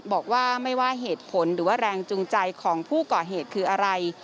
บอกว่าไม่ว่าเหตุผลหรือว่าแรงจูงใจของผู้ก่อเหตุคืออะไร